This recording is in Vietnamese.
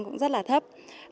cũng rất là thấp